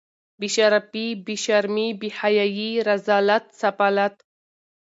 بې شرفي بې شرمي بې حیايي رذالت سفالت